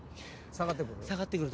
下がってくる？